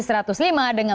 nah ini juga cukup tinggi